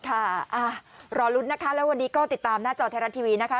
ค่ะรอลุ้นนะคะแล้ววันนี้ก็ติดตามหน้าจอไทยรัฐทีวีนะคะ